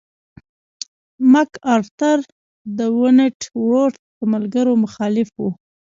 مک ارتر د ونټ ورت د ملګرو مخالف و.